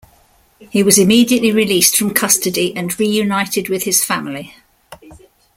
He was immediately released from custody and reunited with his family.